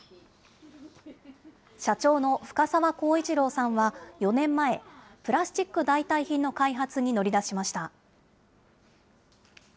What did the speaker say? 社長の深澤幸一郎さんは４年前、プラスチック代替品の開発に乗り出しました。